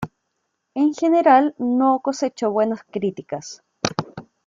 En general no cosechó buenas críticas.